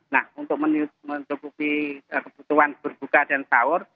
nah untuk mencukupi kebutuhan berbuka dan sahur